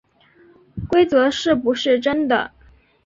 规则是不是真的